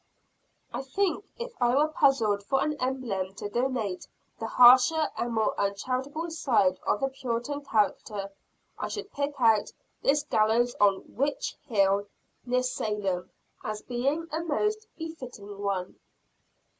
I think if I were puzzled for an emblem to denote the harsher and more uncharitable side of the Puritan character, I should pick out this gallows on Witch Hill near Salem, as being a most befitting one.